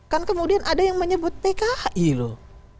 kan kemudian ada yang menyebut pki loh